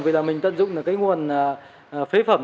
vì mình tận dụng nguồn phế phẩm